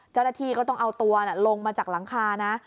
เจ้าหน้าที่ก็ต้องเอาตัวลงมาจากหลังคานะ